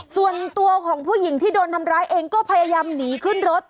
ส่วนตัวของผู้หญิงที่โดนทำร้ายเองก็พยายามหนีขึ้นรถ